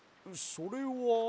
それは？